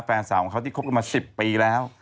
แฟนสาวของเขาที่คบกันมา๑๐ปีแล้ว